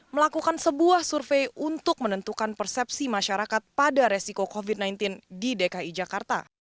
melakukan sebuah survei untuk menentukan persepsi masyarakat pada resiko covid sembilan belas di dki jakarta